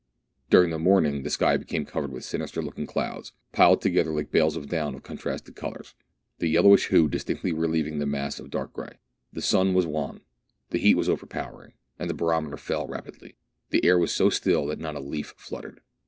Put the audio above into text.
During the morning the sky became covered with sinister looking clouds, piled together like bales of down of contrasted colours, the yellowish hue distinctly relieving the masses of dark grey. The sun was wan, the heat was overpowering, and the barometer fell rapidly ; the air was so still that not a leaf fluttered.